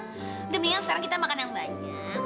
udah mendingan sekarang kita makan yang banyak